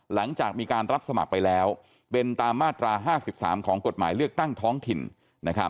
หลังจากมีการรับสมัครไปแล้วเป็นตามมาตรา๕๓ของกฎหมายเลือกตั้งท้องถิ่นนะครับ